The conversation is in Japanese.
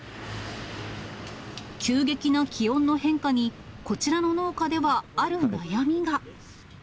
急激な気温の変化に、こちらの農家ではある悩みが。